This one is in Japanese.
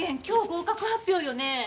今日合格発表よね？